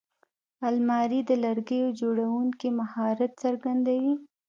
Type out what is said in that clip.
الماري د لرګیو جوړوونکي مهارت څرګندوي